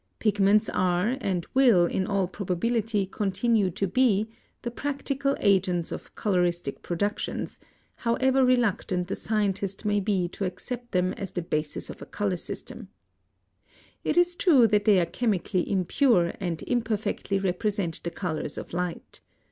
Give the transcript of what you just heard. Pigments are, and will in all probability continue to be, the practical agents of coloristic productions, however reluctant the scientist may be to accept them as the basis of a color system. It is true that they are chemically impure and imperfectly represent the colors of light.